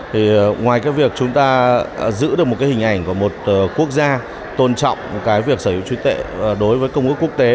thì ngoài cái việc chúng ta giữ được một cái hình ảnh của một quốc gia tôn trọng cái việc sở hữu trí tuệ đối với công ước quốc tế